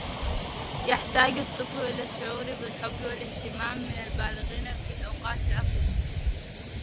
يحتاج الطفل إلى الشعور بالحب والاهتمام من البالغين في الأوقات العصيبة.